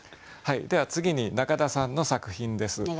では次に中田さんの作品です。